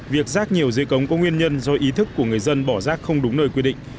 việc rác nhiều dưới cống có nguyên nhân do ý thức của người dân bỏ rác không đúng nơi quy định